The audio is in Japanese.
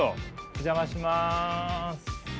お邪魔します。